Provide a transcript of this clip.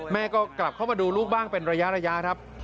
แม่ก็กลับเข้ามาดูลูกบ้างเป็นระยะครับ